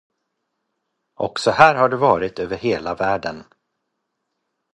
Och så här har det varit över hela världen.